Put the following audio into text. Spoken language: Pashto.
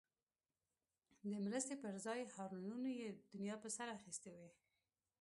د مرستې پر ځای هارنونو یې دنیا په سر اخیستی وي.